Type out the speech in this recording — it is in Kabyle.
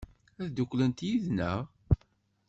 Ad dduklent yid-neɣ?